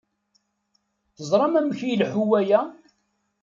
Teẓṛam amek i ileḥḥu waya?